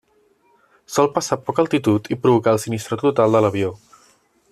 Sol passar a poca altitud i provocar el sinistre total de l'avió.